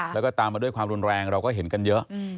แล้วก็ตามมาด้วยความรุนแรงเราก็เห็นกันเยอะ